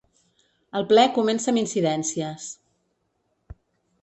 El ple comença amb incidències.